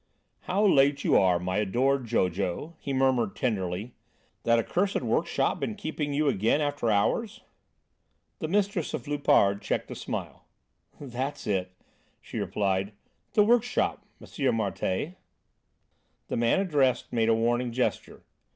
"How late you are, my adored Jojo," he murmured tenderly. "That accursed workshop been keeping you again after hours?" The mistress of Loupart checked a smile. "That's it!" she replied, "the workshop, M. Martialle." The man addressed made a warning gesture.